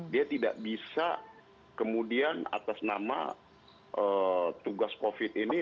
dia tidak bisa kemudian atas nama tugas covid ini